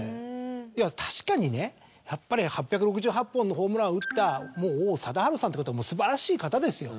確かにねやっぱり８６８本のホームランを打った王貞治さんって方は素晴らしい方ですよ。